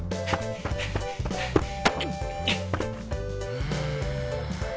うん。